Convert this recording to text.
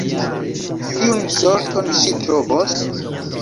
Kiun sorton ŝi trovos?